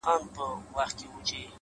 • دا کیسې چي دي لیکلي زموږ د ښار دي ,